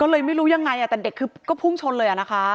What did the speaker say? ก็เลยไม่รู้ยังไงแต่เด็กคือก็พุ่งชนเลยนะคะ